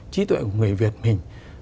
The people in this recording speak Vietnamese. trí tuệ của người việt mình